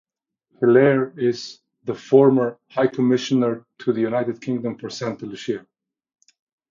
Hilaire is the former High Commissioner to the United Kingdom for Saint Lucia.